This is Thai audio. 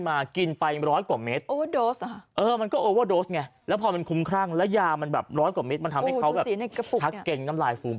มากินไป๑๐๐กว่าเมตร